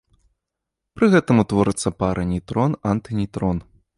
Пры гэтым утворыцца пара нейтрон-антынейтрон.